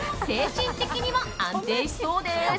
精神的にも安定しそうです。